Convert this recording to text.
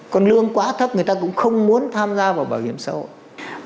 còn lương quá thấp người ta cũng không muốn tham gia vào bảo hiểm xã hội